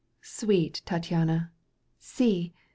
sweet Tattiana, see